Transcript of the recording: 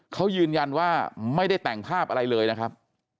เขายืนยันว่าไม่ได้แต่งภาพอะไรเลยนะครับ